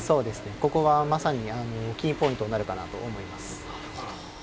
ここはまさにキーポイントになるかなと思います。